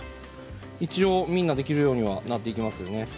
一応みんなできるようにはなっていきますね。